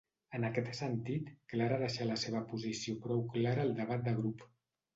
En aquest sentit, Clara deixà la seva posició prou Clara al debat de grup.